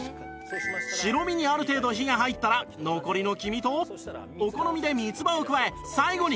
白身にある程度火が入ったら残りの黄身とお好みで三つ葉を加え最後に